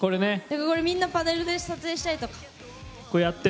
みんなパネル、撮影したりとか。